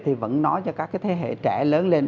thì vẫn nói cho các thế hệ trẻ lớn lên